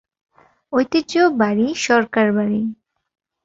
ঐতিহ্যবাহী বাড়ি- সরকার বাড়ি।